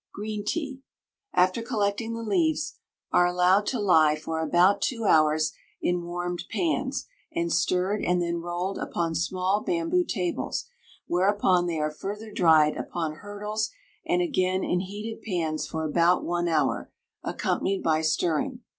Green Tea. After collecting the leaves are allowed to lie for about two hours in warmed pans and stirred and then rolled upon small bamboo tables, whereupon they are further dried upon hurdles and again in heated pans for about one hour, accompanied by stirring.